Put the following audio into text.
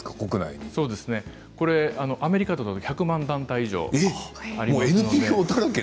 アメリカだと１００万団体以上あります。